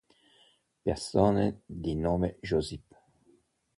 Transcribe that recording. Persone di nome Josip